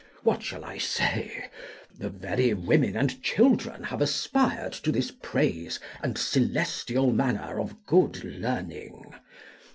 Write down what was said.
What shall I say? The very women and children have aspired to this praise and celestial manner of good learning.